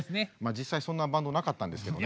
実際そんなバンドなかったんですけどね。